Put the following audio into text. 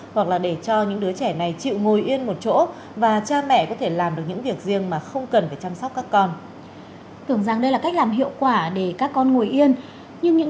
hoặc là để cho những đứa trẻ cầm trên tay một chiếc điện thoại di động hoặc là máy tính bảng